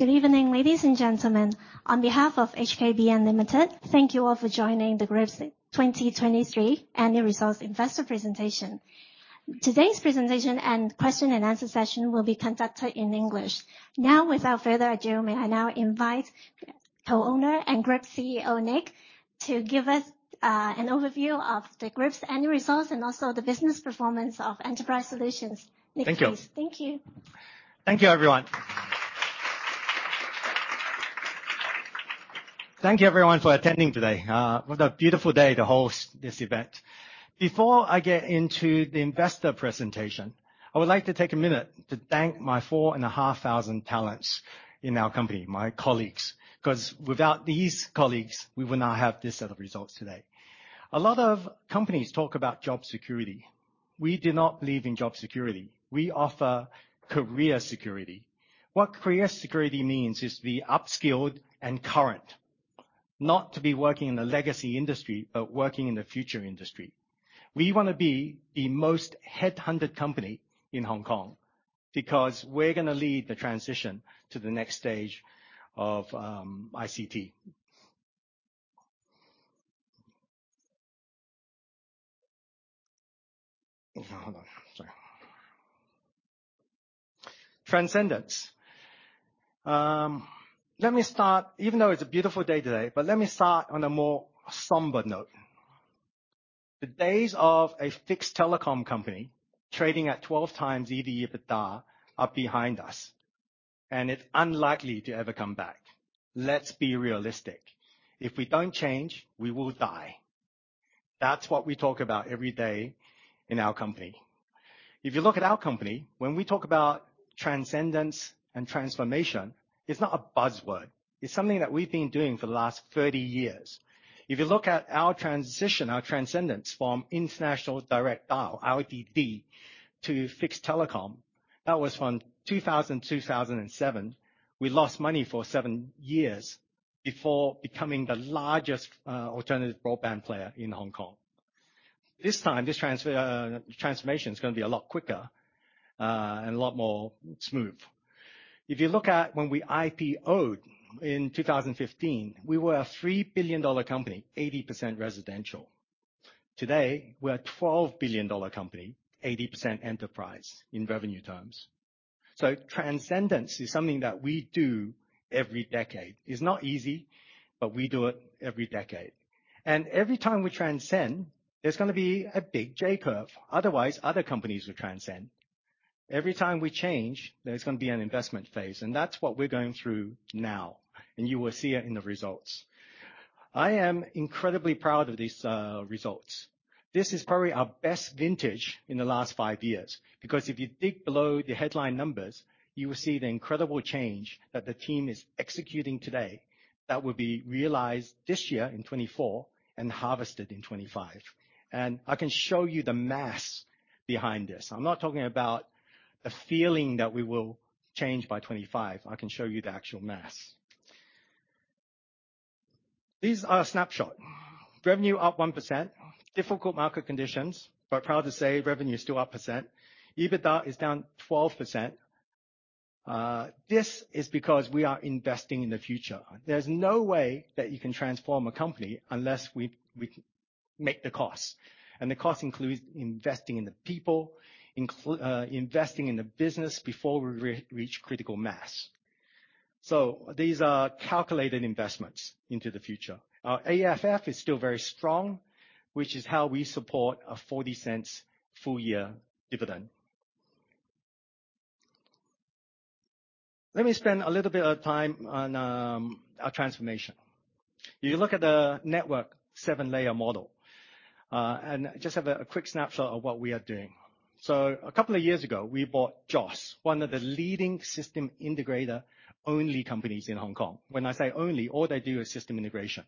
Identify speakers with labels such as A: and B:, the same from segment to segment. A: Good evening, ladies and gentlemen. On behalf of HKBN Limited, thank you all for joining the group's 2023 Annual Results Investor Presentation. Today's presentation and question and answer session will be conducted in English. Now, without further ado, may I now invite co-owner and group CEO, NiQ, to give us an overview of the group's annual results and also the business performance of enterprise solutions.
B: Thank you.
A: Thank you.
B: Thank you, everyone. Thank you everyone for attending today. What a beautiful day to host this event. Before I get into the investor presentation, I would like to take a minute to thank my 4,500 talents in our company, my colleagues, 'cause without these colleagues, we would not have this set of results today. A lot of companies talk about job security. We do not believe in job security. We offer career security. What career security means is to be upskilled and current, not to be working in a legacy industry, but working in the future industry. We wanna be the most headhunted company in Hong Kong because we're gonna lead the transition to the next stage of ICT. Hold on. Sorry. Transcendence. Let me start... Even though it's a beautiful day today, but let me start on a more somber note. The days of a fixed telecom company trading at 12x EBITDA are behind us, and it's unlikely to ever come back. Let's be realistic. If we don't change, we will die. That's what we talk about every day in our company. If you look at our company, when we talk about transcendence and transformation, it's not a buzzword. It's something that we've been doing for the last 30 years. If you look at our transition, our transcendence from international direct dial, IDD, to fixed telecom, that was from 2000 to 2007. We lost money for seven years before becoming the largest alternative broadband player in Hong Kong. This time, this transformation is gonna be a lot quicker, and a lot more smooth. If you look at when we IPO'd in 2015, we were a 3 billion dollar company, 80% residential. Today, we're a 12 billion dollar company, 80% enterprise in revenue terms. So transcendence is something that we do every decade. It's not easy, but we do it every decade. And every time we transcend, there's gonna be a big J-curve. Otherwise, other companies will transcend. Every time we change, there's gonna be an investment phase, and that's what we're going through now, and you will see it in the results. I am incredibly proud of these results. This is probably our best vintage in the last five years, because if you dig below the headline numbers, you will see the incredible change that the team is executing today. That will be realized this year in 2024 and harvested in 2025. I can show you the math behind this. I'm not talking about a feeling that we will change by 2025. I can show you the actual math. These are a snapshot. Revenue up 1%. Difficult market conditions, but proud to say revenue is still up percent. EBITDA is down 12%. This is because we are investing in the future. There's no way that you can transform a company unless we, we make the costs, and the cost includes investing in the people, investing in the business before we reach critical mass. So these are calculated investments into the future. Our AFF is still very strong, which is how we support a 0.40 full year dividend. Let me spend a little bit of time on our transformation. You look at the network seven-layer model and just have a quick snapshot of what we are doing. So a couple of years ago, we bought JOS, one of the leading system integrator only companies in Hong Kong. When I say only, all they do is system integration.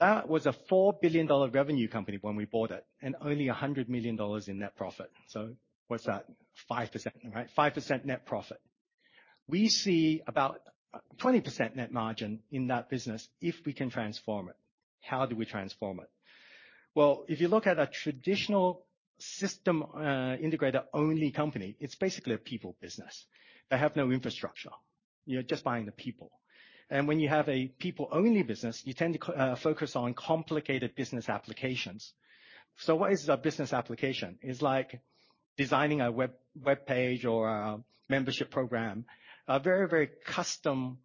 B: That was a 4 billion dollar revenue company when we bought it, and only 100 million dollars in net profit. So what's that? 5%, right? 5% net profit. We see about 20% net margin in that business, if we can transform it. How do we transform it? Well, if you look at a traditional system integrator-only company, it's basically a people business. They have no infrastructure. You're just buying the people. And when you have a people-only business, you tend to focus on complicated business applications. So what is a business application? It's like designing a web, webpage or a membership program. A very, very custom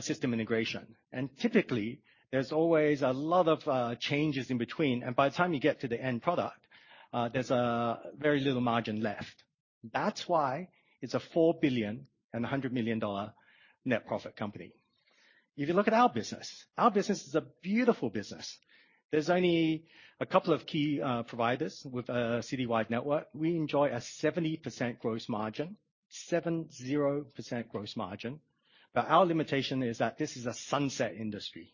B: system integration. And typically, there's always a lot of changes in between, and by the time you get to the end product, there's a very little margin left. That's why it's a 4.1 billion net profit company. If you look at our business, our business is a beautiful business. There's only a couple of key providers with a citywide network. We enjoy a 70% gross margin. 70% gross margin. But our limitation is that this is a sunset industry.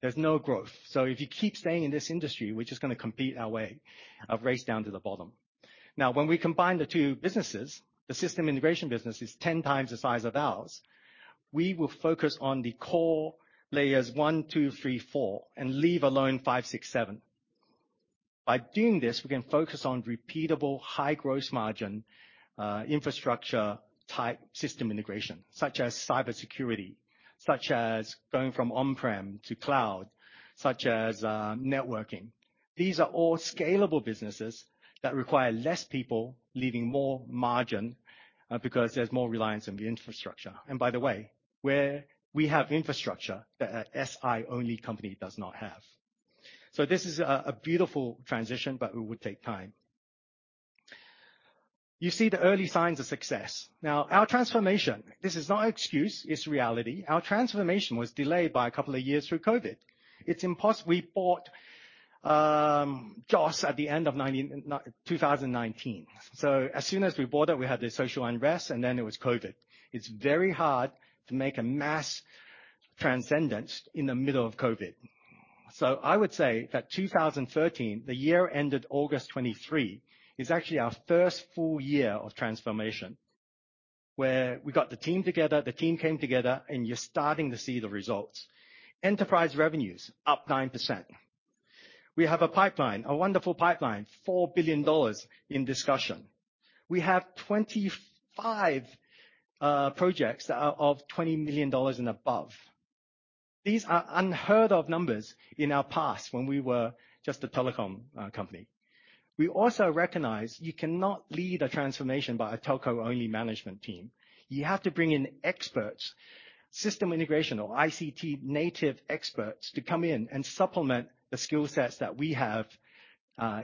B: There's no growth. So if you keep staying in this industry, we're just gonna compete our way, a race down to the bottom. Now, when we combine the two businesses, the system integration business is 10x the size of ours. We will focus on the core layers one, two, three, four, and leave alone five, six, seven. By doing this, we can focus on repeatable high gross margin infrastructure type system integration, such as cybersecurity, such as going from on-prem to cloud, such as networking. These are all scalable businesses that require less people, leaving more margin, because there's more reliance on the infrastructure. And by the way, where we have infrastructure that a SI-only company does not have. So this is a beautiful transition, but it would take time. You see the early signs of success. Now, our transformation, this is not an excuse, it's reality. Our transformation was delayed by a couple of years through COVID. It's impossible. We bought JOS at the end of 2019. So as soon as we bought it, we had the social unrest, and then it was COVID. It's very hard to make a mass transcendence in the middle of COVID. So I would say that 2013, the year ended August 2023, is actually our first full year of transformation, where we got the team together, the team came together, and you're starting to see the results. Enterprise revenues up 9%. We have a pipeline, a wonderful pipeline, 4 billion dollars in discussion. We have 25 projects that are of 20 million dollars and above. These are unheard of numbers in our past when we were just a telecom company. We also recognize you cannot lead a transformation by a telco-only management team. You have to bring in experts, system integration, or ICT native experts, to come in and supplement the skill sets that we have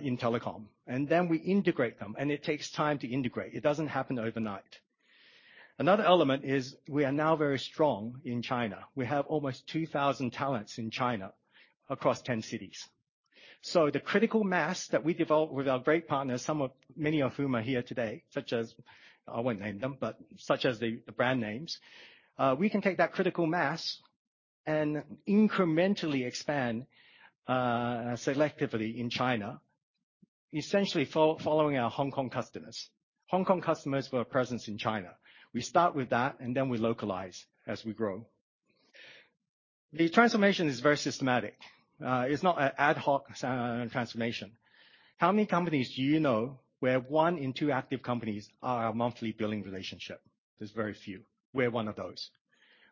B: in telecom. And then we integrate them, and it takes time to integrate. It doesn't happen overnight. Another element is we are now very strong in China. We have almost 2,000 talents in China across 10 cities. So the critical mass that we developed with our great partners, some of many of whom are here today, such as. I won't name them, but such as the brand names. We can take that critical mass and incrementally expand selectively in China, essentially following our Hong Kong customers. Hong Kong customers with a presence in China. We start with that, and then we localize as we grow. The transformation is very systematic. It's not an ad hoc transformation. How many companies do you know where one in two active companies are a monthly billing relationship? There's very few. We're one of those.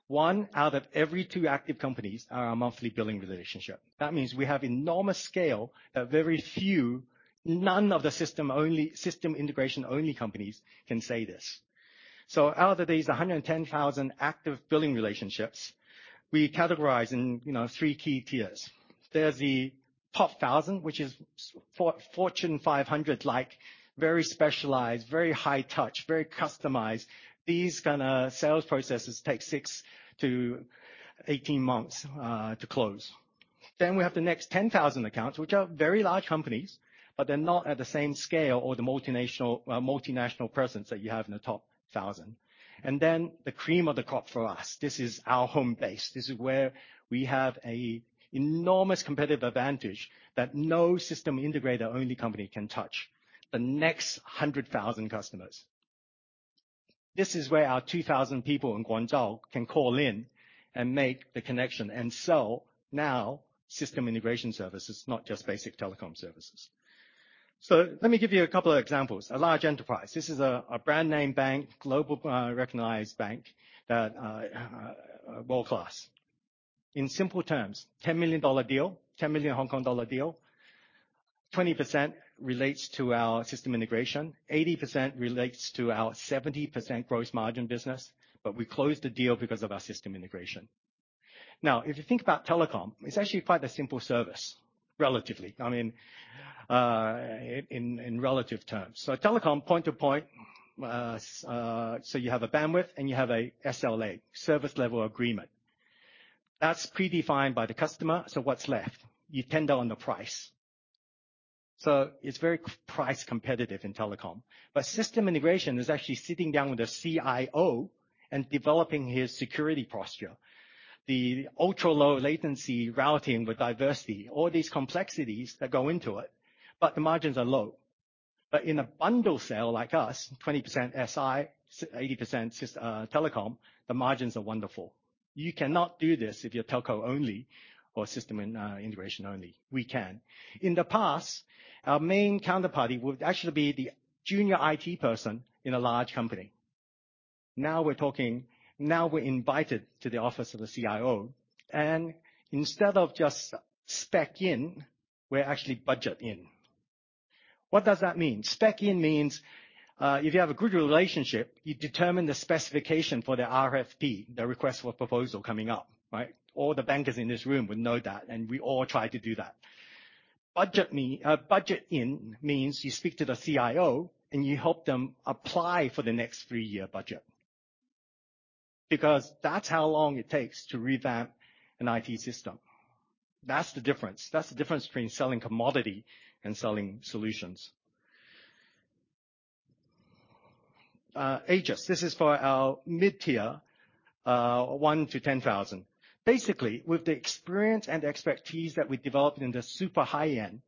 B: One out of every two active companies are a monthly billing relationship. That means we have enormous scale that very few, none of the system integration only companies can say this. So out of these 110,000 active billing relationships, we categorize in, you know, three key tiers. There's the top 1,000, which is Fortune 500 like, very specialized, very high touch, very customized. These kind of sales processes take six-18 months to close. Then we have the next 10,000 accounts, which are very large companies, but they're not at the same scale or the multinational presence that you have in the top 1,000. Then the cream of the crop for us. This is our home base. This is where we have an enormous competitive advantage that no system integrator-only company can touch. The next 100,000 customers. This is where our 2,000 people in Guangzhou can call in and make the connection and sell our system integration services, not just basic telecom services. So let me give you a couple of examples. A large enterprise. This is a brand name bank, global, recognized bank that world-class. In simple terms, 10 million dollar deal, 10 million Hong Kong dollars Hong Kong dollar deal, 20% relates to our system integration, 80% relates to our 70% gross margin business, but we closed the deal because of our system integration. Now, if you think about telecom, it's actually quite a simple service, relatively. I mean, in relative terms. So telecom, point to point. So you have a bandwidth and you have a SLA, Service Level Agreement. That's predefined by the customer, so what's left? You tender on the price. So it's very price competitive in telecom, but system integration is actually sitting down with a CIO and developing his security posture. The ultra-low latency routing with diversity, all these complexities that go into it, but the margins are low. But in a bundle sale like us, 20% SI, 80% system, telecom, the margins are wonderful. You cannot do this if you're telco only or system integration only. We can. In the past, our main counterparty would actually be the junior IT person in a large company. Now we're talking... Now we're invited to the office of the CIO, and instead of just spec-in, we're actually budget-in. What does that mean? Spec-in means if you have a good relationship, you determine the specification for the RFP, the request for proposal coming up, right? All the bankers in this room would know that, and we all try to do that. Budget-in means you speak to the CIO, and you help them apply for the next three-year budget, because that's how long it takes to revamp an IT system. That's the difference. That's the difference between selling commodity and selling solutions. Aegis, this is for our mid-tier, 1-10,000. Basically, with the experience and expertise that we developed in the super high-end,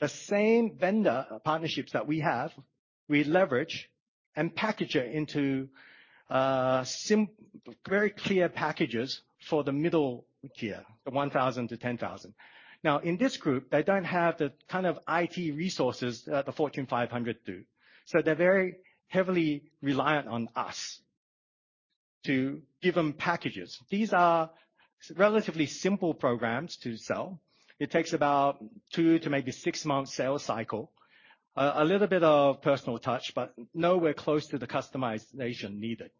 B: the same vendor partnerships that we have, we leverage and package it into very clear packages for the middle tier, the 1,000-10,000. Now, in this group, they don't have the kind of IT resources that the Fortune 500 do, so they're very heavily reliant on us to give them packages. These are relatively simple programs to sell. It takes about two to maybe six months sales cycle, a little bit of personal touch, but nowhere close to the customization needed.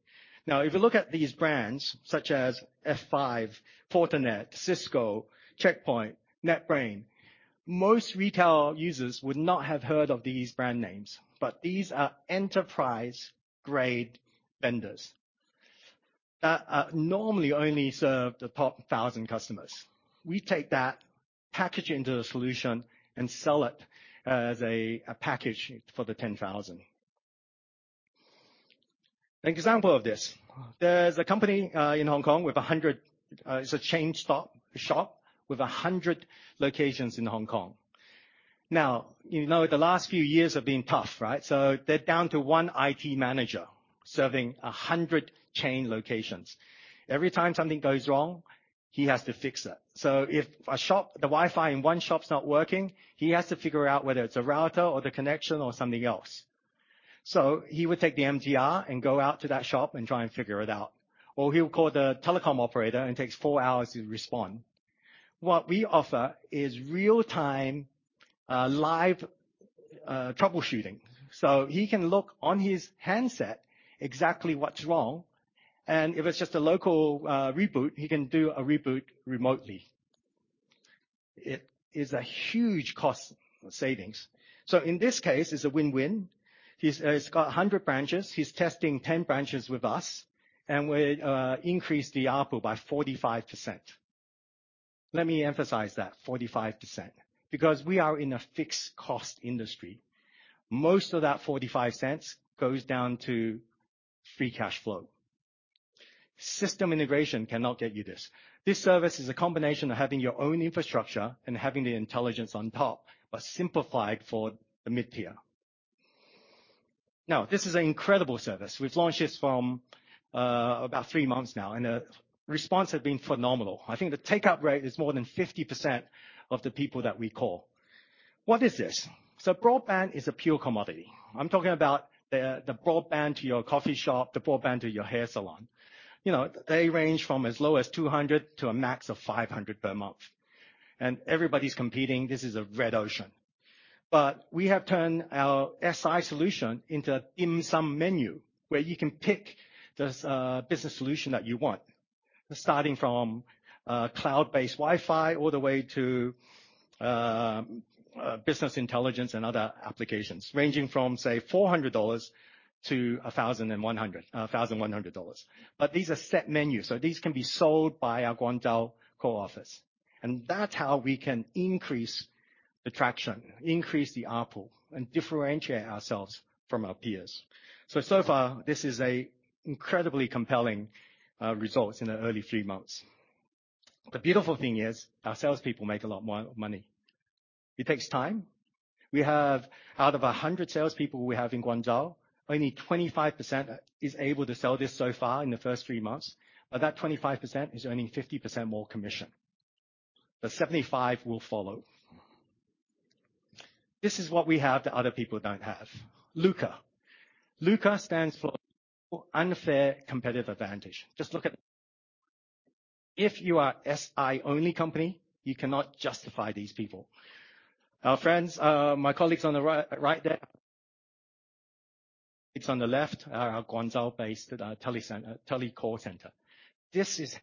B: Now, if you look at these brands, such as F5, Fortinet, Cisco, Check Point, NetBrain, most retail users would not have heard of these brand names, but these are enterprise-grade vendors that normally only serve the top 1,000 customers. We take that, package it into a solution, and sell it as a, a package for the 10,000. An example of this, there's a company in Hong Kong with a hundred... It's a chain stop, shop, with a hundred locations in Hong Kong. Now, you know, the last few years have been tough, right? So they're down to one IT manager serving 100 chain locations. Every time something goes wrong, he has to fix it. So if a shop, the Wi-Fi in one shop is not working, he has to figure out whether it's a router, or the connection, or something else. So he would take the MTR and go out to that shop and try and figure it out, or he would call the telecom operator, and takes four hours to respond. What we offer is real-time, live troubleshooting, so he can look on his handset exactly what's wrong, and if it's just a local, reboot, he can do a reboot remotely. It is a huge cost savings. So in this case, it's a win-win. He's, he's got 100 branches. He's testing 10 branches with us, and we increased the ARPU by 45%. Let me emphasize that, 45%, because we are in a fixed cost industry. Most of that 45 cents goes down to free cash flow. System integration cannot get you this. This service is a combination of having your own infrastructure and having the intelligence on top, but simplified for the mid-tier. Now, this is an incredible service. We've launched this from about three months now, and the response has been phenomenal. I think the take-up rate is more than 50% of the people that we call. What is this? So broadband is a pure commodity. I'm talking about the broadband to your coffee shop, the broadband to your hair salon. You know, they range from as low as 200 to a max of 500 per month, and everybody's competing. This is a red ocean, but we have turned our SI solution into Dim Sum Menu, where you can pick the business solution that you want. Starting from cloud-based Wi-Fi, all the way to business intelligence and other applications ranging from, say, 400 dollars to 1,100. But these are set menus, so these can be sold by our Guangzhou core office, and that's how we can increase the traction, increase the ARPU, and differentiate ourselves from our peers. So far, this is a incredibly compelling results in the early three months. The beautiful thing is, our salespeople make a lot more money. It takes time. We have... Out of 100 salespeople we have in Guangzhou, only 25% is able to sell this so far in the first three months, but that 25% is earning 50% more commission. The 75 will follow. This is what we have that other people don't have. LUCA. LUCA stands for Unfair Competitive Advantage. Just look at... If you are SI-only company, you cannot justify these people. Our friends, my colleagues on the right there. It's on the left, our Guangzhou-based tele center, tele call center. This is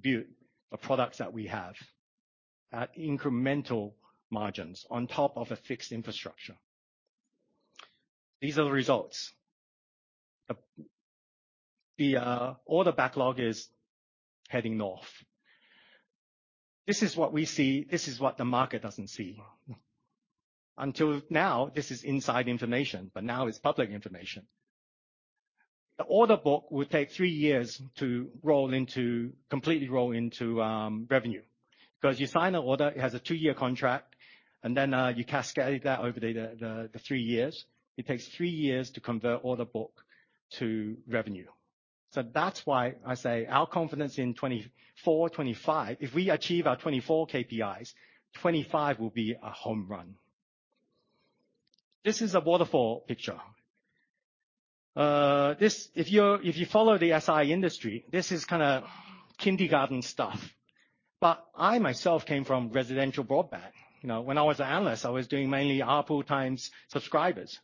B: view, the products that we have at incremental margins on top of a fixed infrastructure. These are the results. All the backlog is heading north. This is what we see. This is what the market doesn't see. Until now, this is inside information, but now it's public information. The order book will take three years to roll into—completely roll into revenue, 'cause you sign an order, it has a two-year contract, and then you cascade that over the three years. It takes three years to convert order book to revenue. So that's why I say our confidence in 2024, 2025, if we achieve our 2024 KPIs, 2025 will be a home run. This is a waterfall picture. This... If you're, if you follow the SI industry, this is kinda kindergarten stuff, but I myself came from residential broadband. You know, when I was an analyst, I was doing mainly ARPU times subscribers.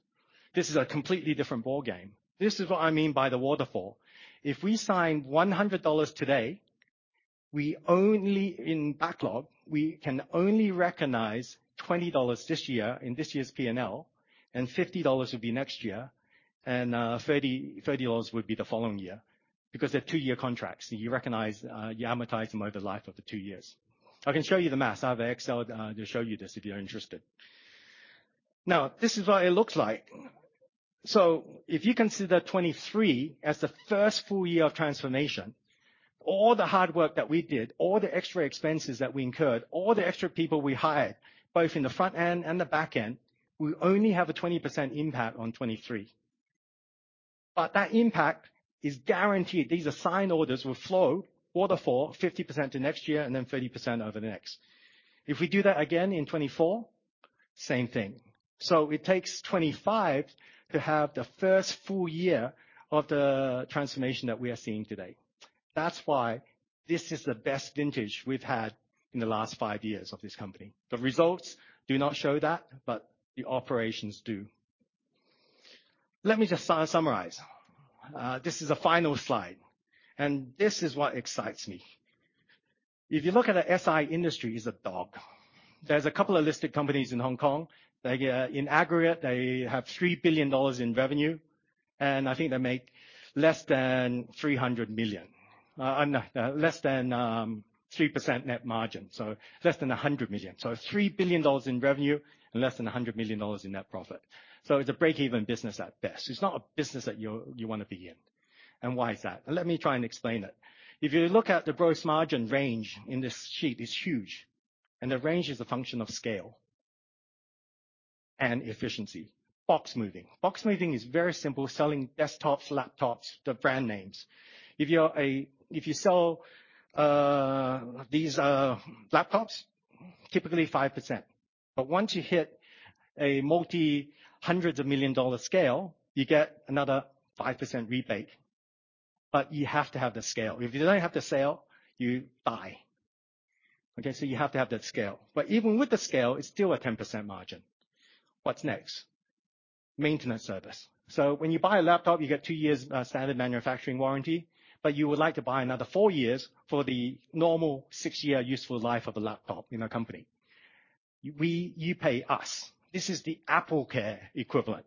B: This is a completely different ballgame. This is what I mean by the waterfall. If we sign 100 dollars today, in backlog, we can only recognize 20 dollars this year in this year's PNL, and 50 dollars will be next year, and 30 dollars will be the following year, because they're two-year contracts, and you recognize, you amortize them over the life of the two years. I can show you the math. I have an Excel to show you this if you're interested. Now, this is what it looks like. If you consider 2023 as the first full year of transformation... All the hard work that we did, all the extra expenses that we incurred, all the extra people we hired, both in the front end and the back end, will only have a 20% impact on 2023. That impact is guaranteed. These assigned orders will flow quarter four, 50% to next year, and then 30% over the next. If we do that again in 2024, same thing. So it takes 2025 to have the first full year of the transformation that we are seeing today. That's why this is the best vintage we've had in the last 5 years of this company. The results do not show that, but the operations do. Let me just summarize. This is the final slide, and this is what excites me. If you look at the SI industry is a dog. There's a couple of listed companies in Hong Kong. They get in aggregate, they have 3 billion dollars in revenue, and I think they make less than 300 million. No, less than 3% net margin, so less than 100 million. So 3 billion dollars in revenue and less than 100 million dollars in net profit. So it's a break-even business at best. It's not a business that you, you wanna be in. And why is that? Let me try and explain it. If you look at the gross margin range in this sheet, it's huge, and the range is a function of scale and efficiency. Box moving. Box moving is very simple, selling desktops, laptops, the brand names. If you sell these laptops, typically 5%, but once you hit a multi hundreds of million dollar scale, you get another 5% rebate. But you have to have the scale. If you don't have the sale, you buy. Okay, so you have to have that scale. But even with the scale, it's still a 10% margin. What's next? Maintenance service. So when you buy a laptop, you get two years standard manufacturing warranty, but you would like to buy another four years for the normal six-year useful life of a laptop in a company. You pay us. This is the AppleCare equivalent,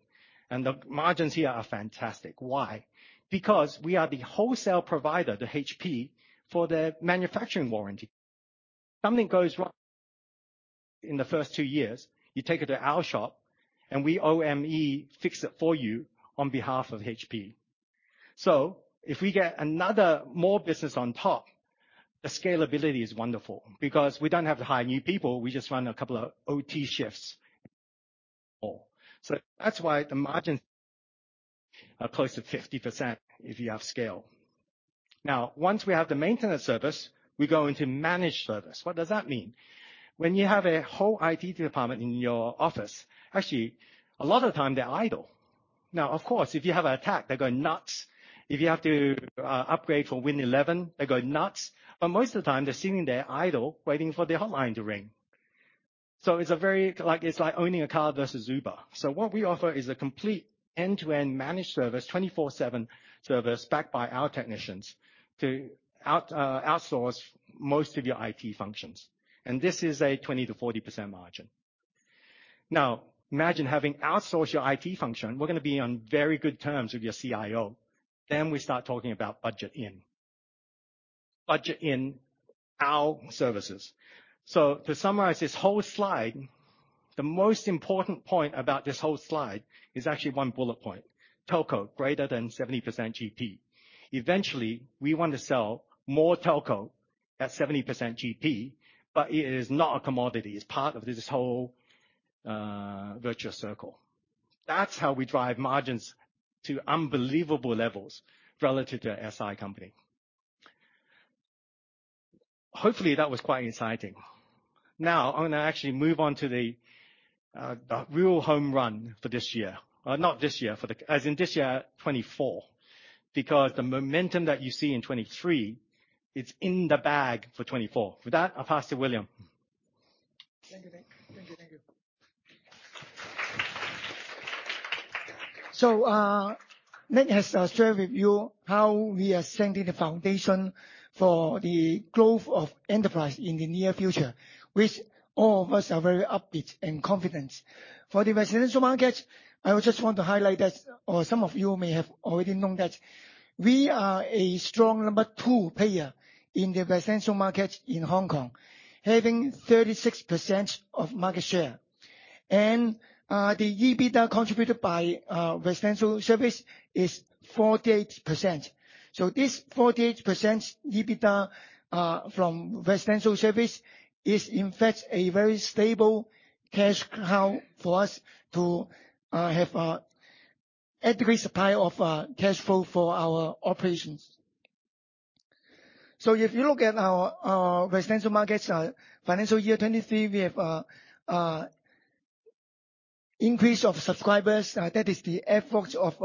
B: and the margins here are fantastic. Why? Because we are the wholesale provider, the HP, for their manufacturing warranty. Something goes wrong in the first two years, you take it to our shop, and we, OEM, fix it for you on behalf of HP. So if we get another more business on top, the scalability is wonderful because we don't have to hire new people. We just run a couple of OT shifts. So that's why the margins are close to 50% if you have scale. Now, once we have the maintenance service, we go into managed service. What does that mean? When you have a whole IT department in your office. Actually, a lot of the time, they're idle. Now, of course, if you have an attack, they go nuts. If you have to upgrade for Win 11, they go nuts, but most of the time, they're sitting there idle, waiting for the hotline to ring. So it's a very like, it's like owning a car versus Uber. So what we offer is a complete end-to-end managed service, 24/7 service, backed by our technicians, to outsource most of your IT functions, and this is a 20%-40% margin. Now, imagine having outsourced your IT function, we're gonna be on very good terms with your CIO. Then we start talking about budget-in, budget-in our services. So to summarize this whole slide, the most important point about this whole slide is actually one bullet point, telco greater than 70% GP. Eventually, we want to sell more telco at 70% GP, but it is not a commodity. It's part of this whole virtuous circle. That's how we drive margins to unbelievable levels relative to an SI company. Hopefully, that was quite exciting. Now, I'm gonna actually move on to the real home run for this year. Not this year, for the, as in this year, 2024, because the momentum that you see in 2023, it's in the bag for 2024. For that, I'll pass to William.
C: Thank you, NiQ. Thank you, thank you. So, NiQ has shared with you how we are setting the foundation for the growth of enterprise in the near future, which all of us are very upbeat and confident. For the residential market, I would just want to highlight that, or some of you may have already known that, we are a strong number two player in the residential market in Hong Kong, having 36% of market share. And, the EBITDA contributed by, residential service is 48%. So this 48% EBITDA, from residential service is, in fact, a very stable cash cow for us to, have a adequate supply of, cash flow for our operations. So if you look at our, residential markets, financial year 2023, we have, increase of subscribers. That is the efforts of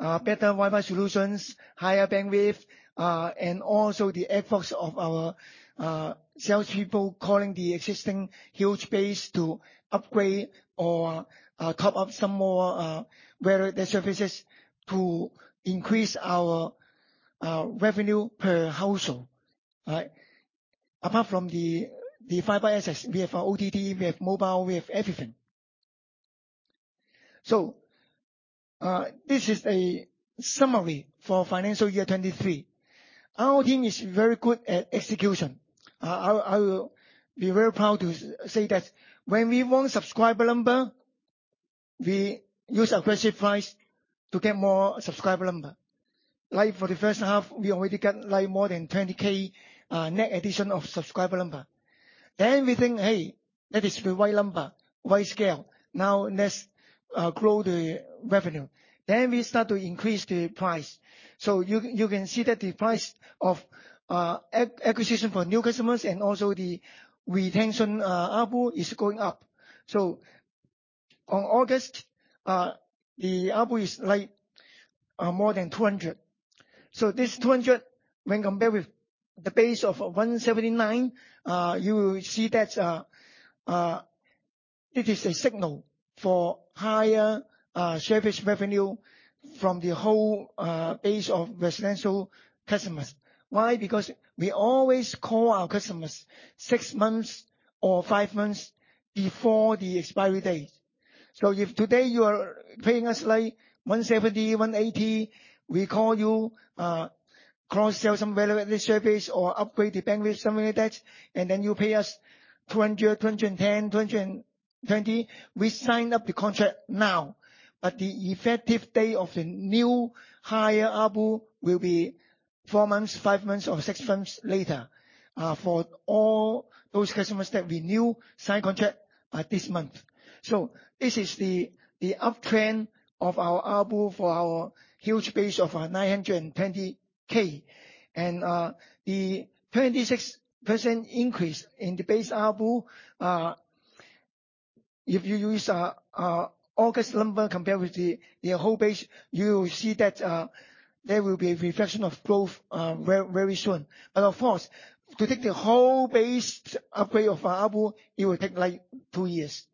C: better Wi-Fi solutions, higher bandwidth, and also the efforts of our salespeople calling the existing huge base to upgrade or top up some more very net services to increase our revenue per household. Apart from the fiber assets, we have our OTT, we have mobile, we have everything. So, this is a summary for financial year 2023. Our team is very good at execution. I will be very proud to say that when we want subscriber number. We use aggressive price to get more subscriber number. Like for the first half, we already got like more than 20K net addition of subscriber number. Then we think, 'Hey, that is the right number, right scale. Now let's grow the revenue.' Then we start to increase the price. So you can see that the price of acquisition for new customers and also the retention ARPU is going up. So on August the ARPU is like more than 200. So this 200, when compared with the base of 179, you will see that it is a signal for higher service revenue from the whole base of residential customers. Why? Because we always call our customers six months or five months before the expiry date. So if today you are paying us like 170, 180, we call you, cross-sell some value-added service or upgrade the bandwidth, something like that, and then you pay us 200, 210, 220, we sign up the contract now. But the effective date of the new higher ARPU will be four months, five months, or six months later, for all those customers that renew, sign contract by this month. So this is the uptrend of our ARPU for our huge base of 920K. And the 26% increase in the base ARPU, if you use August number compared with the whole base, you will see that there will be a reflection of growth very, very soon. But of course, to take the whole base upgrade of ARPU, it will take, like, two years.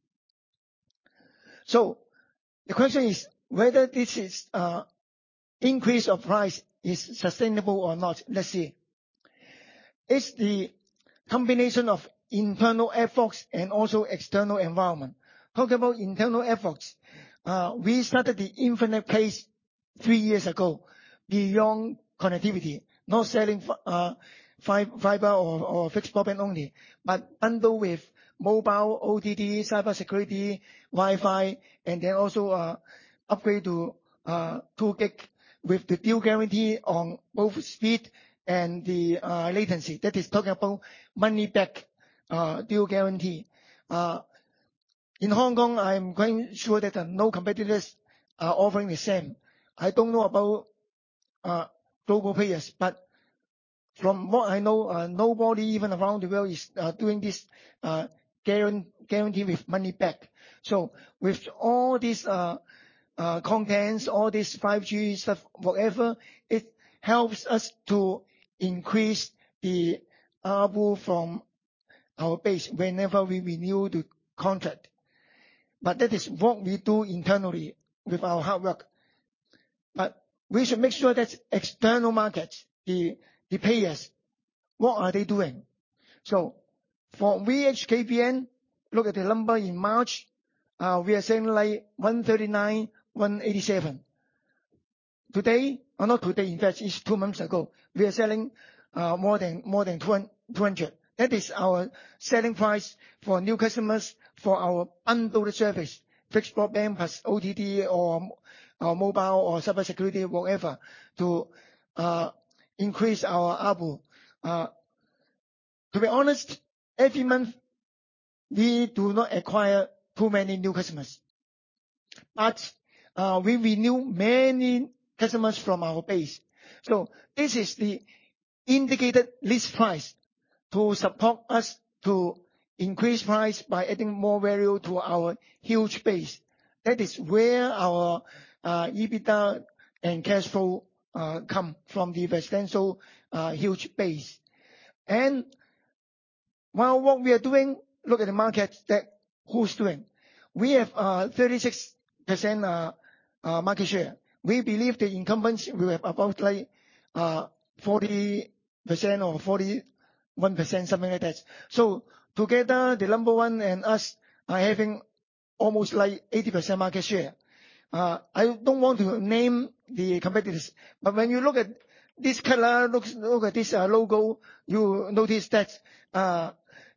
C: So the question is whether this increase of price is sustainable or not? Let's see. It's the combination of internal efforts and also external environment. Talk about internal efforts, we started the infinite-play three years ago, beyond connectivity, not selling fiber or fixed broadband only, but bundled with mobile, OTT, cybersecurity, Wi-Fi, and then also upgrade to 2 gig with the Dual Guarantee on both speed and the latency. That is talking about money back deal guarantee. In Hong Kong, I'm quite sure that no competitors are offering the same. I don't know about global players, but from what I know, nobody even around the world is doing this guarantee with money back. So with all this contents, all these 5G stuff, whatever, it helps us to increase the ARPU from our base whenever we renew the contract. But that is what we do internally with our hard work. But we should make sure that external markets, the players, what are they doing? So for HKBN, look at the number in March, we are saying like 139, 187. Today... Or not today, in fact, it's two months ago, we are selling more than 200. That is our selling price for new customers, for our bundled service, fixed broadband plus OTT or mobile, or cybersecurity, whatever, to increase our ARPU. To be honest, every month, we do not acquire too many new customers, but we renew many customers from our base. So this is the indicated list price to support us to increase price by adding more value to our huge base. That is where our EBITDA and cash flow come from, the residential huge base. Well, what we are doing, look at the market that's who's doing. We have 36% market share. We believe the incumbents will have about, like, 40% or 41%, something like that. So together, the number one and us are having almost, like, 80% market share. I don't want to name the competitors, but when you look at this color, look at this logo, you notice that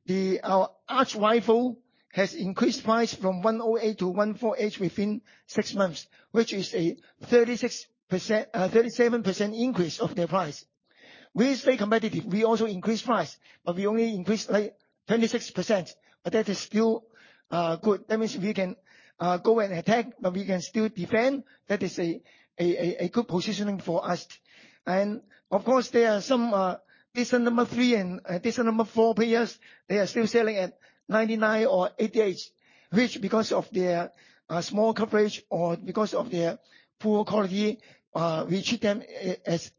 C: the our archrival has increased price from 108 to 148 within six months, which is a 36%, 37% increase of their price. We stay competitive, we also increase price, but we only increase, like, 26%, but that is still good. That means we can go and attack, but we can still defend. That is a good positioning for us. And of course, there are some decent number three and decent number four players. They are still selling at 99 or 88, which because of their small coverage or because of their poor quality, we treat them as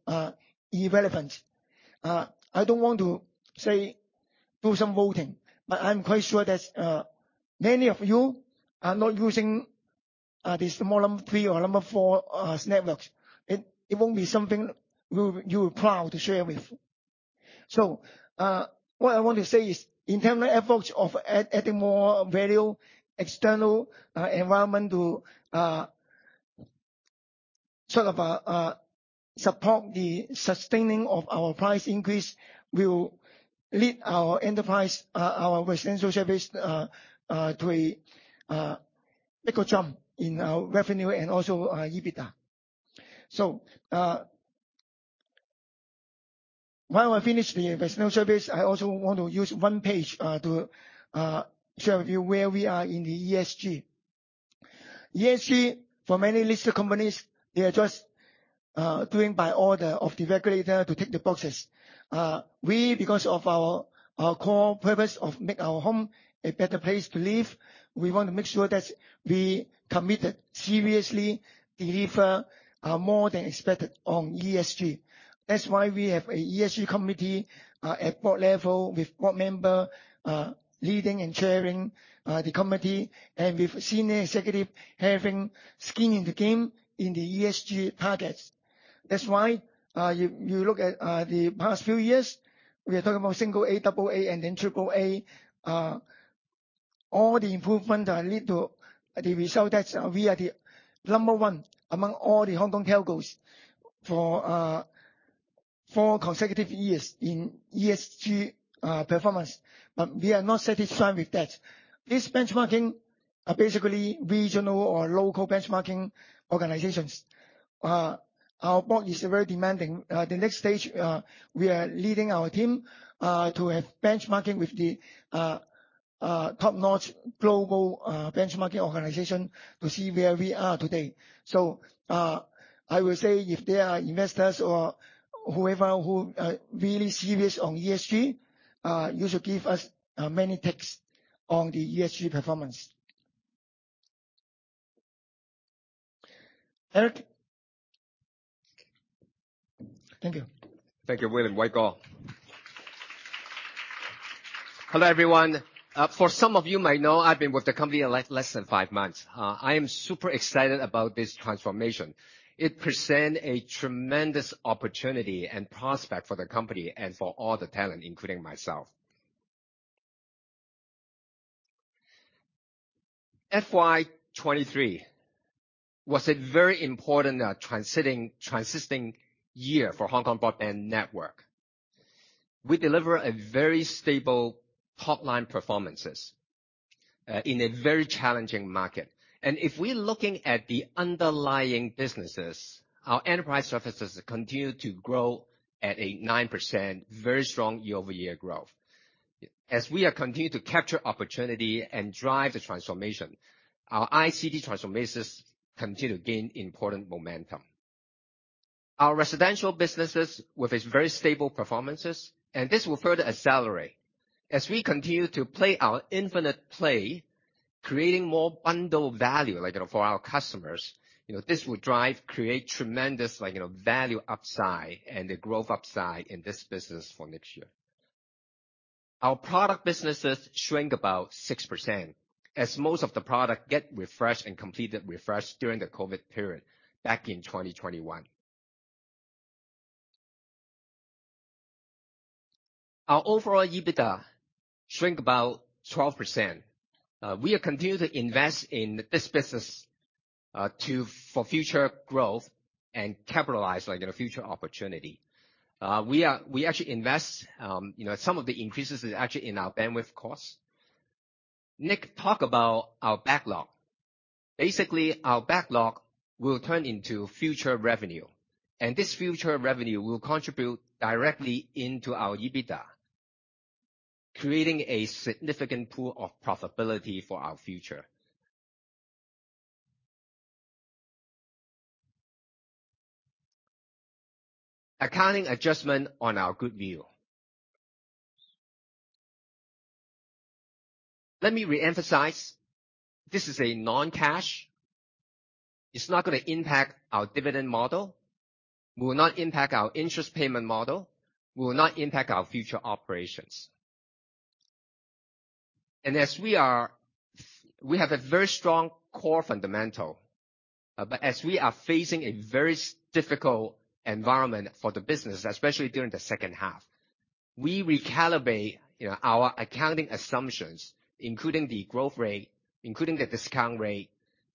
C: irrelevant. I don't want to say do some voting, but I'm quite sure that many of you are not using these number three or number four networks. It won't be something you are proud to share with. So what I want to say is, internal efforts of adding more value, external environment to sort of support the sustaining of our price increase will lead our enterprise, our residential service to a bigger jump in our revenue and also EBITDA. So, while I finish the investment service, I also want to use one page to share with you where we are in the ESG. ESG, for many listed companies, they are just doing by order of the regulator to tick the boxes. We, because of our core purpose of make our home a better place to live, we want to make sure that we committed seriously deliver more than expected on ESG. That's why we have a ESG committee at board level, with board member leading and chairing the committee, and with senior executive having skin in the game in the ESG targets. That's why you look at the past few years, we are talking about single A, double A, and then triple A. All the improvement that lead to the result that we are the number one among all the Hong Kong telcos for four consecutive years in ESG performance, but we are not satisfied with that. This benchmarking are basically regional or local benchmarking organizations. Our board is very demanding. The next stage, we are leading our team to have benchmarking with the top-notch global benchmarking organization to see where we are today. So, I will say if there are investors or whoever who are really serious on ESG, you should give us many takes on the ESG performance. Derek? Thank you.
D: Thank you, William Ho. Hello, everyone. For some of you might know, I've been with the company less than five months. I am super excited about this transformation. It present a tremendous opportunity and prospect for the company and for all the talent, including myself. FY 2023 was a very important transitioning year for Hong Kong Broadband Network. We deliver a very stable top line performances in a very challenging market. And if we're looking at the underlying businesses, our enterprise services continue to grow at a 9%, very strong year-over-year growth. As we are continuing to capture opportunity and drive the transformation, our ICT transformations continue to gain important momentum. Our residential businesses, with its very stable performances, and this will further accelerate as we continue to play our infinite play, creating more bundled value, like, you know, for our customers. You know, this will drive, create tremendous, like, you know, value upside and the growth upside in this business for next year. Our product businesses shrink about 6%, as most of the product get refreshed and completed refresh during the COVID period back in 2021. Our overall EBITDA shrink about 12%. We are continue to invest in this business to for future growth and capitalize, like, you know, future opportunity. We actually invest, you know, some of the increases is actually in our bandwidth costs. NiQ talked about our backlog. Basically, our backlog will turn into future revenue, and this future revenue will contribute directly into our EBITDA, creating a significant pool of profitability for our future. Accounting adjustment on our goodwill. Let me reemphasize, this is a non-cash. It's not gonna impact our dividend model, will not impact our interest payment model, will not impact our future operations. As we have a very strong core fundamental, but as we are facing a very difficult environment for the business, especially during the second half, we recalibrate, you know, our accounting assumptions, including the growth rate, including the discount rate,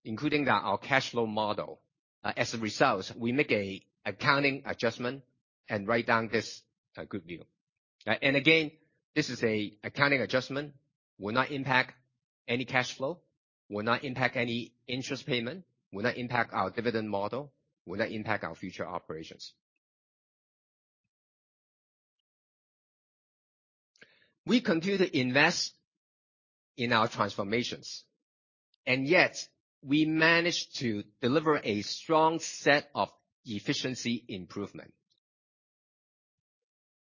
D: including our cash flow model. As a result, we make an accounting adjustment and write down this goodwill. And again, this is an accounting adjustment, will not impact any cash flow, will not impact any interest payment, will not impact our dividend model, will not impact our future operations. We continue to invest in our transformations, and yet we managed to deliver a strong set of efficiency improvement.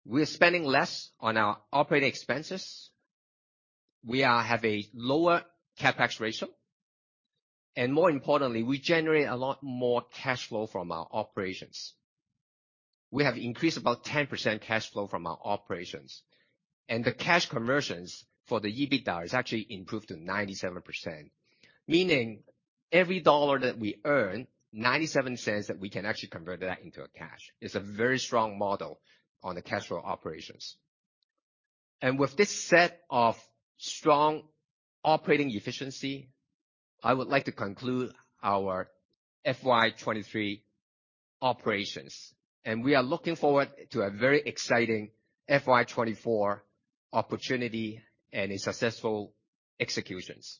D: We are spending less on our operating expenses. We have a lower CapEx ratio, and more importantly, we generate a lot more cash flow from our operations. We have increased about 10% cash flow from our operations, and the cash conversions for the EBITDA is actually improved to 97%. Meaning, every HKD 1 that we earn, 0.97 that we can actually convert that into a cash. It's a very strong model on the cash flow operations. With this set of strong operating efficiency, I would like to conclude our FY 2023 operations, and we are looking forward to a very exciting FY 2024 opportunity and a successful executions.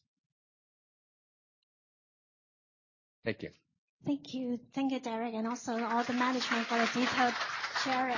D: Thank you.
A: Thank you. Thank you, Derek, and also all the management for the detailed sharing.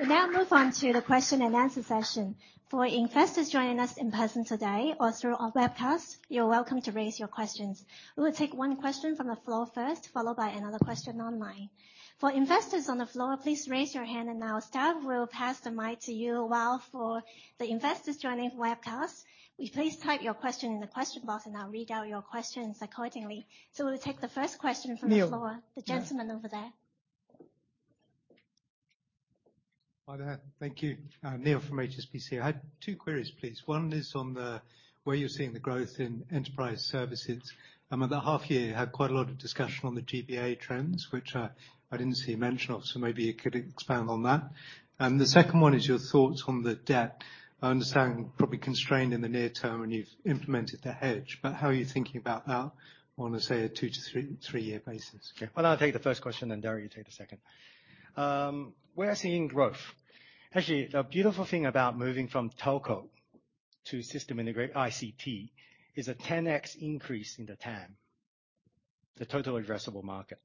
A: We now move on to the question and answer session. For investors joining us in person today or through our webcast, you're welcome to raise your questions. We will take one question from the floor first, followed by another question online. For investors on the floor, please raise your hand, and our staff will pass the mic to you. While for the investors joining from webcast, will you please type your question in the question box, and I'll read out your questions accordingly. So we'll take the first question from the floor-
E: Neale.
A: The gentleman over there.
E: Hi, there. Thank you. Neale from HSBC. I had two queries, please. One is on where you're seeing the growth in enterprise services. At the half year, you had quite a lot of discussion on the GBA trends, which I didn't see you mention, so maybe you could expand on that. And the second one is your thoughts on the debt. I understand probably constrained in the near term, and you've implemented the hedge, but how are you thinking about that on, say, a two to three-year basis?
B: Okay, well, I'll take the first question, then, Derek, you take the second. We are seeing growth. Actually, the beautiful thing about moving from telco to system integrator ICT is a 10x increase in the TAM, the Total Addressable Market.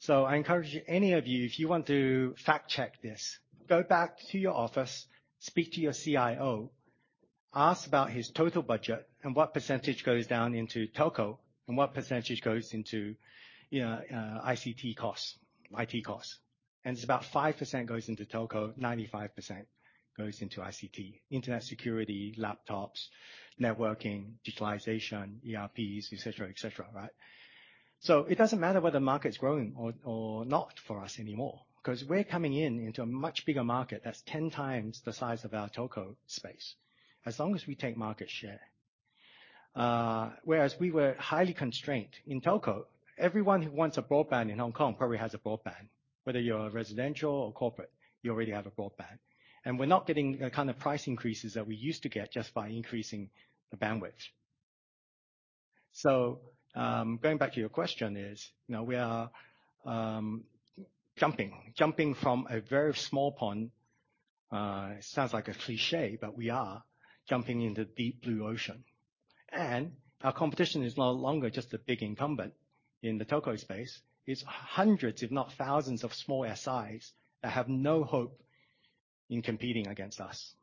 B: So I encourage any of you, if you want to fact-check this, go back to your office, speak to your CIO, ask about his total budget and what percentage goes down into telco, and what percentage goes into, you know, ICT costs, IT costs. It's about 5% goes into telco, 95% goes into ICT, internet security, laptops, networking, digitalization, ERPs, et cetera, et cetera, right? So it doesn't matter whether the market's growing or not for us anymore, 'cause we're coming in into a much bigger market that's 10x the size of our telco space, as long as we take market share. Whereas we were highly constrained in telco, everyone who wants a broadband in Hong Kong probably has a broadband. Whether you're residential or corporate, you already have a broadband. And we're not getting the kind of price increases that we used to get just by increasing the bandwidth. So, going back to your question is, now we are jumping from a very small pond. It sounds like a cliché, but we are jumping into deep blue ocean, and our competition is no longer just a big incumbent in the telco space. It's hundreds, if not thousands, of small SIs that have no hope in competing against us.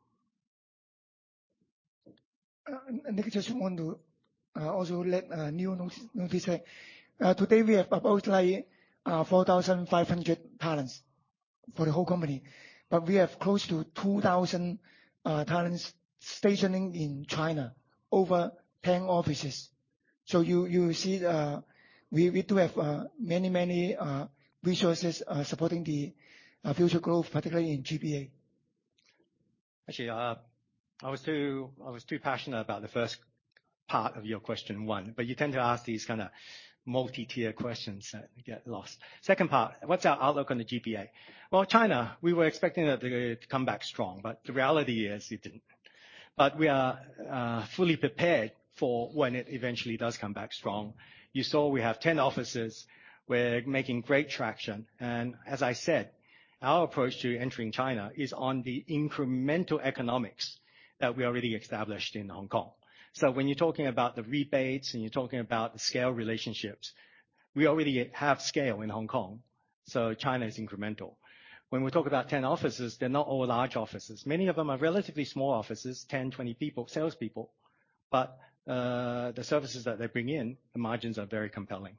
C: And I just want to also let Neale know this, today we have about 4,500 talents for the whole company, but we have close to 2,000 talents stationing in China, over 10 offices. So you see, we do have many, many resources supporting the future growth, particularly in GPA.
B: Actually, I was too, I was too passionate about the first part of your question one, but you tend to ask these kind of multi-tier questions, so I get lost. Second part, what's our outlook on the GPA? Well, China, we were expecting that they would come back strong, but the reality is, it didn't. But we are fully prepared for when it eventually does come back strong. You saw we have 10 offices. We're making great traction, and as I said, our approach to entering China is on the incremental economics that we already established in Hong Kong. So when you're talking about the rebates and you're talking about the scale relationships, we already have scale in Hong Kong, so China is incremental. When we talk about 10 offices, they're not all large offices. Many of them are relatively small offices, 10, 20 people, salespeople, but the services that they bring in, the margins are very compelling.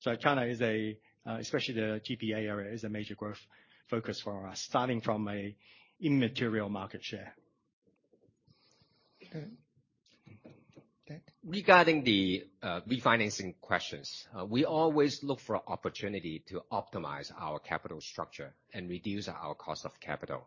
B: So China is a, especially the GBA area, is a major growth focus for us, starting from an immaterial market share.
C: Okay. Derek?
D: Regarding the refinancing questions, we always look for opportunity to optimize our capital structure and reduce our cost of capital.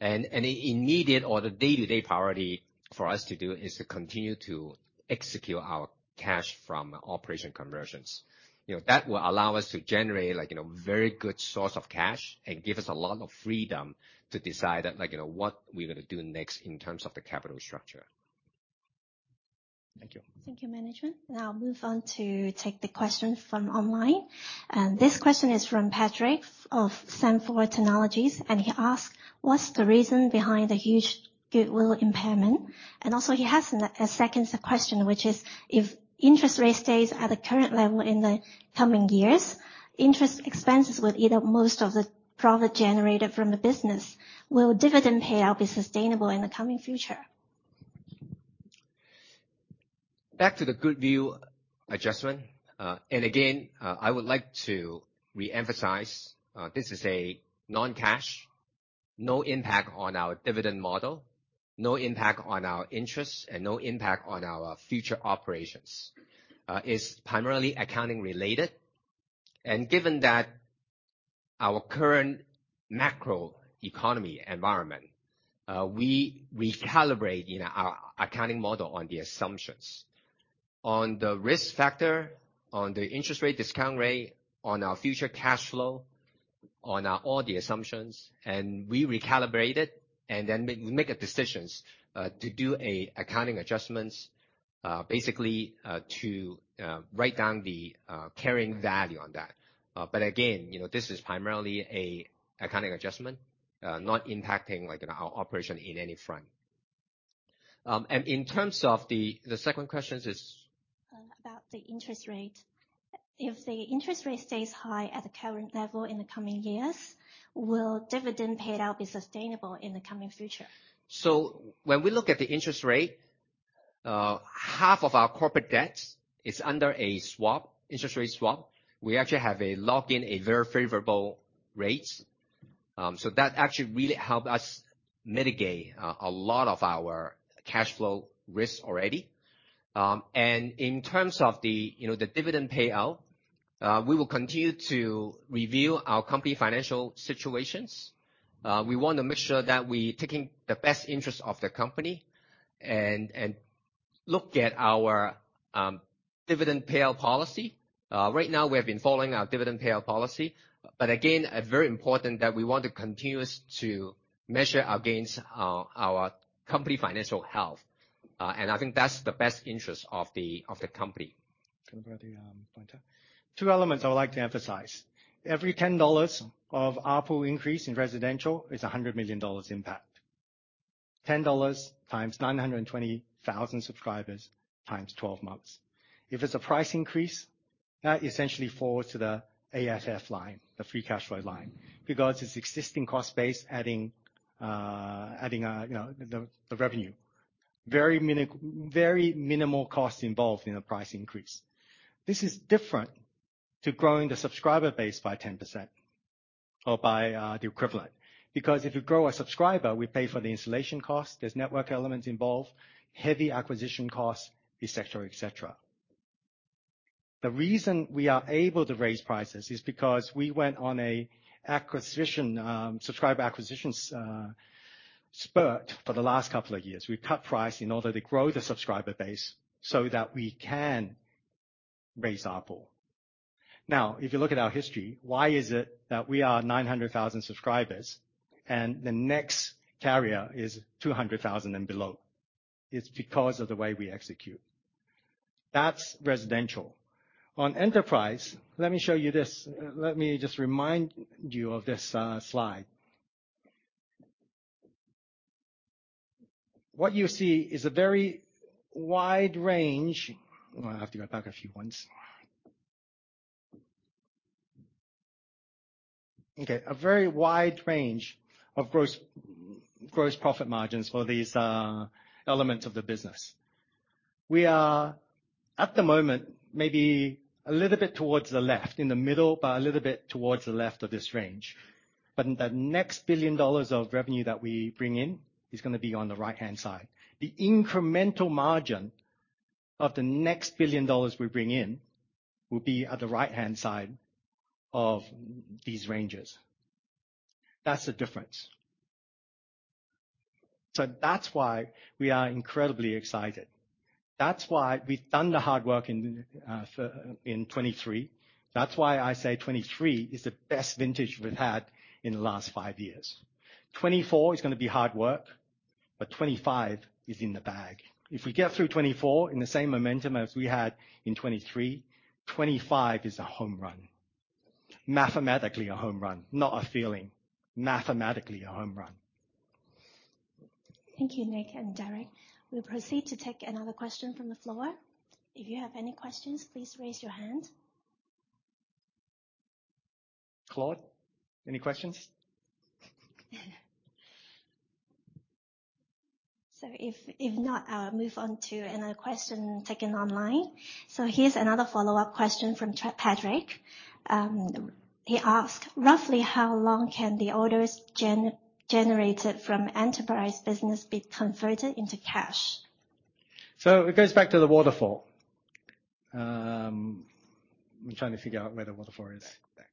D: The immediate or the day-to-day priority for us to do is to continue to execute our cash from operation conversions. You know, that will allow us to generate like, you know, very good source of cash and give us a lot of freedom to decide, like, you know, what we're gonna do next in terms of the capital structure. Thank you.
A: Thank you, management. Now move on to take the question from online. And this question is from Patrick Pan of Sanford C. Bernstein, and he asked: What's the reason behind the huge goodwill impairment? And also he has a second question, which is: If interest rate stays at the current level in the coming years, interest expenses with either most of the profit generated from the business, will dividend payout be sustainable in the coming future?
D: Back to the goodwill adjustment. And again, I would like to reemphasize, this is a non-cash, no impact on our dividend model, no impact on our interest, and no impact on our future operations. It's primarily accounting-related, and given that our current macro economy environment, we recalibrate, you know, our accounting model on the assumptions... on the risk factor, on the interest rate, discount rate, on our future cash flow, on, all the assumptions, and we recalibrate it, and then make decisions, to do a accounting adjustments, basically, to, write down the, carrying value on that. But again, you know, this is primarily a accounting adjustment, not impacting, like, on our operation in any front. And in terms of the second question is?
A: About the interest rate. If the interest rate stays high at the current level in the coming years, will dividend payout be sustainable in the coming future?
D: So when we look at the interest rate, half of our corporate debt is under a swap, interest rate swap. We actually have a lock in a very favorable rate. So that actually really help us mitigate a lot of our cash flow risk already. And in terms of the, you know, the dividend payout, we will continue to review our company financial situations. We want to make sure that we're taking the best interest of the company and, and look at our, dividend payout policy. Right now, we have been following our dividend payout policy, but again, a very important that we want to continuous to measure against our, our company financial health. And I think that's the best interest of the, of the company.
B: Can you bring the pointer? Two elements I would like to emphasize. Every 10 dollars of ARPU increase in residential is a 100 million dollars impact. 10 dollars x 920,000 subscribers, x 12 months. If it's a price increase, that essentially forwards to the AFF line, the free cash flow line, because it's existing cost base, adding, you know, the revenue. Very minimal cost involved in a price increase. This is different to growing the subscriber base by 10% or by the equivalent, because if you grow a subscriber, we pay for the installation cost, there's network elements involved, heavy acquisition costs, et cetera, et cetera. The reason we are able to raise prices is because we went on a acquisition, subscriber acquisition, spurt for the last couple of years. We've cut price in order to grow the subscriber base so that we can raise ARPU. Now, if you look at our history, why is it that we are 900,000 subscribers, and the next carrier is 200,000 and below? It's because of the way we execute. That's residential. On enterprise, let me show you this. Let me just remind you of this, slide. What you see is a very wide range... Well, I have to go back a few ones. Okay. A very wide range of gross, gross profit margins for these, elements of the business. We are, at the moment, maybe a little bit towards the left, in the middle, but a little bit towards the left of this range. But in the next 1 billion dollars of revenue that we bring in, is gonna be on the right-hand side. The incremental margin of the next 1 billion dollars we bring in will be at the right-hand side of these ranges. That's the difference. So that's why we are incredibly excited. That's why we've done the hard work in 2023. That's why I say 2023 is the best vintage we've had in the last five years. 2024 is gonna be hard work, but 2025 is in the bag. If we get through 2024 in the same momentum as we had in 2023, 2025 is a home run. Mathematically, a home run, not a feeling. Mathematically, a home run.
A: Thank you, NiQ and Derek. We'll proceed to take another question from the floor. If you have any questions, please raise your hand.
B: any questions?
A: So if not, I'll move on to another question taken online. So here's another follow-up question from Patrick. He asked, "Roughly how long can the orders generated from enterprise business be converted into cash?
B: So it goes back to the waterfall. I'm trying to figure out where the waterfall is. There.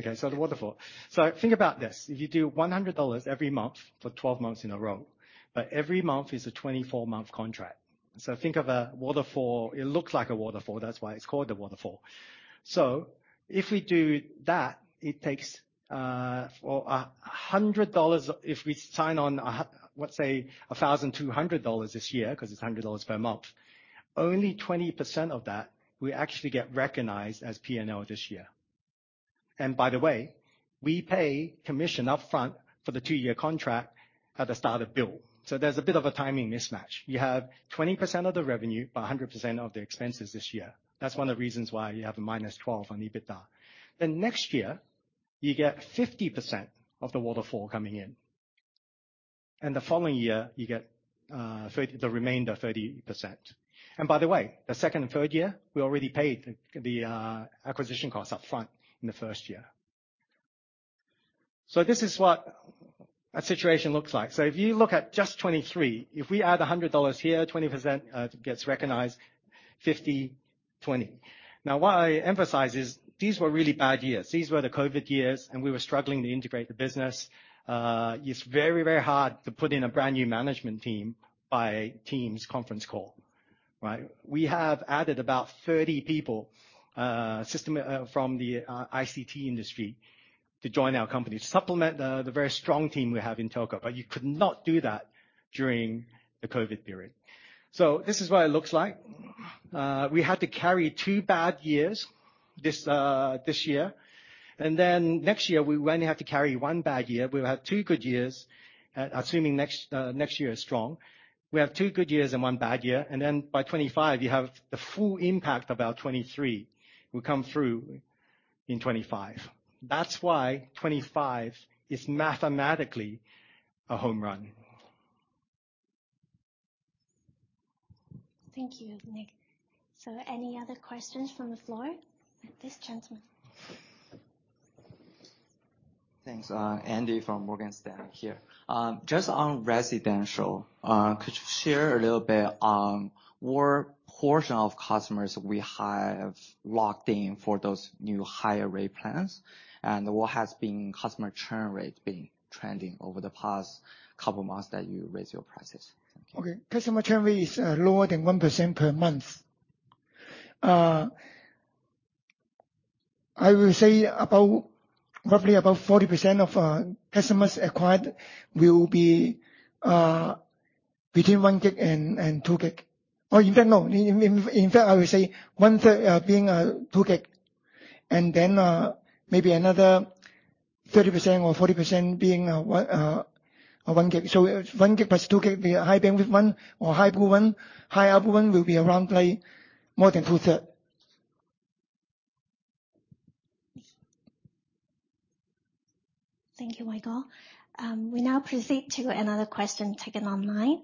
B: Okay, so the waterfall. So think about this: if you do 100 dollars every month for 12 months in a row, but every month is a 24-month contract. So think of a waterfall. It looks like a waterfall, that's why it's called a waterfall. So if we do that, it takes, for 100 dollars... If we sign on—let's say, 1,200 dollars this year, 'cause it's 100 dollars per month, only 20% of that will actually get recognized as P&L this year. And by the way, we pay commission upfront for the two-year contract at the start of bill. So there's a bit of a timing mismatch. You have 20% of the revenue, but 100% of the expenses this year. That's one of the reasons why you have a -12% on EBITDA. Then next year, you get 50% of the waterfall coming in, and the following year, you get, thirty - the remainder 30%. By the way, the second and third year, we already paid the, acquisition costs upfront in the first year. So this is what a situation looks like. So if you look at just 2023, if we add 100 dollars here, 20%, gets recognized, 50%-... 20%. Now, what I emphasize is, these were really bad years. These were the COVID years, and we were struggling to integrate the business. It's very, very hard to put in a brand new management team by Teams conference call, right? We have added about 30 people, systems from the ICT industry to join our company, to supplement the very strong team we have in telco. But you could not do that during the COVID period. So this is what it looks like. We had to carry two bad years this year, and then next year, we only have to carry one bad year. We've had two good years, assuming next year is strong. We have two good years and one bad year, and then by 2025, you have the full impact of our 2023 will come through in 2025. That's why 2025 is mathematically a home run.
A: Thank you, NiQ. So any other questions from the floor? This gentleman.
F: Thanks. Andy, from Morgan Stanley, here. Just on residential, could you share a little bit on what portion of customers we have locked in for those new higher rate plans? And what has been customer churn rate been trending over the past couple months that you raised your prices? Thank you.
C: Okay. Customer churn rate is lower than 1% per month. I will say about, roughly about 40% of customers acquired will be between 1 gig and 2 gig. Or in fact, no, in fact, I would say one third being 2 gig, and then maybe another 30% or 40% being 1 gig. So 1 gig plus 2 gig will be a high bandwidth one, or high pay one. High output one will be around, probably, more than two-thirds.
A: Thank you, Michael. We now proceed to another question taken online.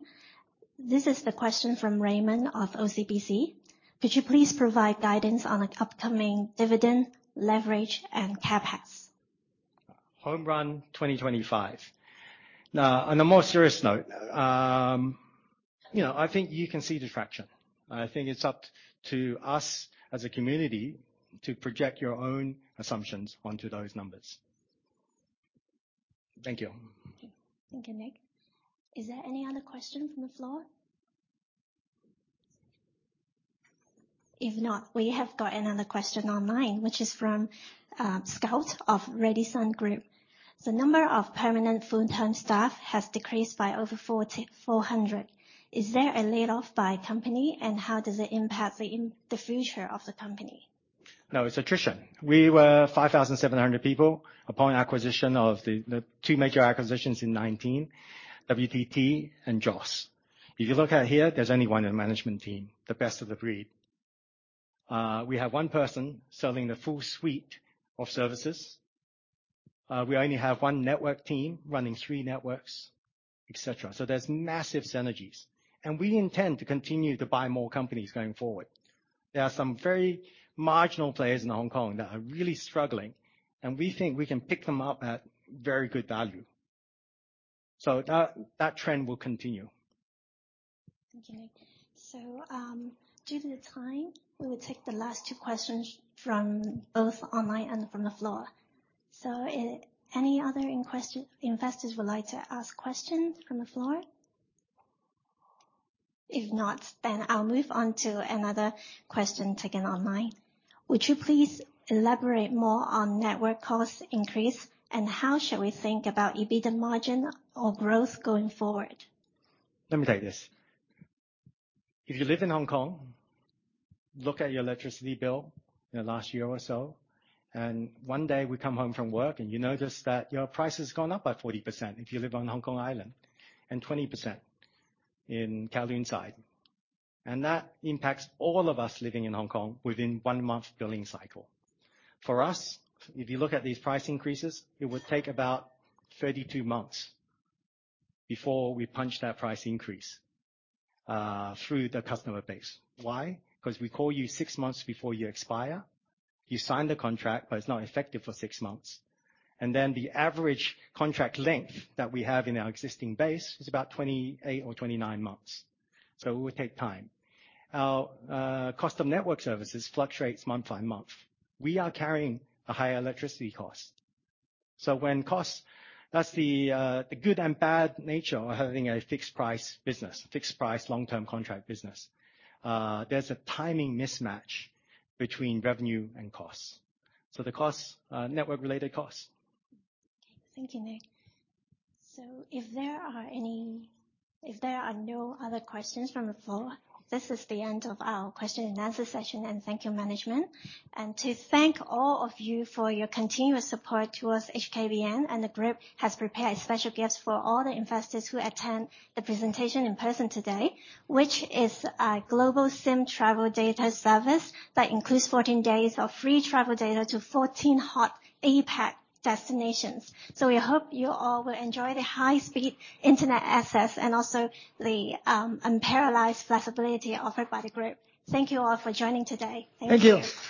A: This is the question from Raymond of OCBC: Could you please provide guidance on the upcoming dividend, leverage, and CapEx?
B: Home run, 2025. Now, on a more serious note, you know, I think you can see the fraction. I think it's up to us, as a community, to project your own assumptions onto those numbers. Thank you.
A: Thank you, NiQ. Is there any other question from the floor? If not, we have got another question online, which is from Scott of Radisson Group. The number of permanent full-time staff has decreased by over 4,400. Is there a layoff by company, and how does it impact the future of the company?
B: No, it's attrition. We were 5,700 people upon acquisition of the two major acquisitions in 2019, WTT and JOS. If you look at here, there's only one in the management team, the best of the breed. We have one person serving the full suite of services. We only have one network team running three networks, et cetera. So there's massive synergies, and we intend to continue to buy more companies going forward. There are some very marginal players in Hong Kong that are really struggling, and we think we can pick them up at very good value. So that trend will continue.
A: Thank you. Due to the time, we will take the last two questions from both online and from the floor. Any other investors would like to ask questions from the floor? If not, then I'll move on to another question taken online. Would you please elaborate more on network cost increase, and how should we think about EBITDA margin or growth going forward?
B: Let me take this. If you live in Hong Kong, look at your electricity bill in the last year or so, and one day you come home from work and you notice that your price has gone up by 40% if you live on Hong Kong Island, and 20% in Kowloon side. And that impacts all of us living in Hong Kong within one month billing cycle. For us, if you look at these price increases, it would take about 32 months before we punch that price increase through the customer base. Why? 'Cause we call you six months before you expire. You sign the contract, but it's not effective for six months. And then, the average contract length that we have in our existing base is about 28 or 29 months, so it will take time. Our cost of network services fluctuates month by month. We are carrying a higher electricity cost. So when costs... That's the, the good and bad nature of having a fixed price business, fixed price long-term contract business. There's a timing mismatch between revenue and costs. So the costs, network-related costs.
A: Thank you, NiQ. So if there are no other questions from the floor, this is the end of our question and answer session, and thank you, management. To thank all of you for your continuous support towards HKBN, and the group has prepared special gifts for all the investors who attend the presentation in person today, which is a Global SIM travel data service that includes 14 days of free travel data to 14 hot APAC destinations. So we hope you all will enjoy the high speed internet access, and also the unparalleled flexibility offered by the group. Thank you all for joining today. Thank you.
B: Thank you.